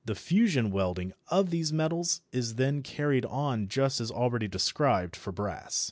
The fusion welding of these metals is then carried on just as already described for brass.